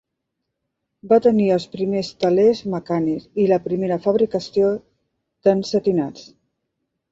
Va tenir els primers telers mecànics i la primera fabricació d'ensetinats.